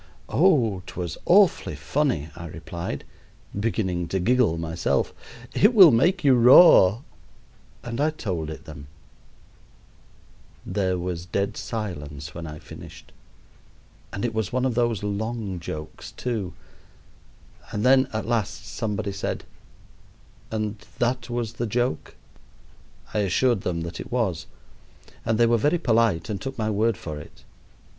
"Oh, 'twas awfully funny," I replied, beginning to giggle myself; "it will make you roar;" and I told it them. There was dead silence when I finished it was one of those long jokes, too and then, at last, somebody said: "And that was the joke?" I assured them that it was, and they were very polite and took my word for it.